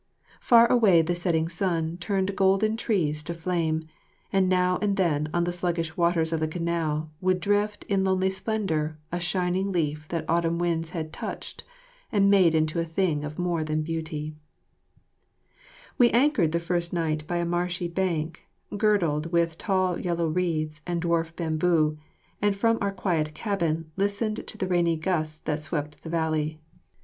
Far away the setting sun turned golden trees to flame, and now and then on the sluggish waters of the canal would drift in lonely splendour a shining leaf that autumn winds had touched and made into a thing of more than beauty. [Illustration: Mylady28.] We anchored the first night by a marshy bank girdled with tall yellow reeds and dwarf bamboo, and from our quiet cabin listened to the rainy gusts that swept the valley.